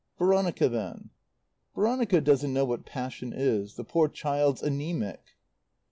"Veronica, then." "Veronica doesn't know what passion is. The poor child's anæmic."